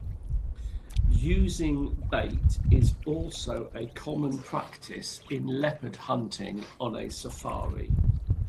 Using bait is also a common practice in leopard hunting on a safari.